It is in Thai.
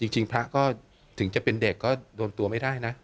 จริงพระก็ถึงจะเป็นเด็กก็โดนตัวไม่ได้นะ